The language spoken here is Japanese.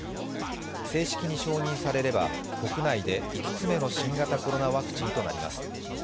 正式に承認されれば国内で５つ目の新型コロナワクチンとなります。